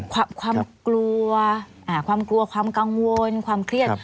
ความกลัวความกังวลความเครียด